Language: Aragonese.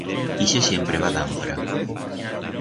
Ixe siempre va d'ampra.